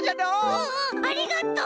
うんうんありがとう！